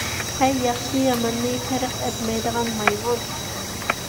ھەي، ياخشى - ياماننى پەرق ئەتمەيدىغان مايمۇن!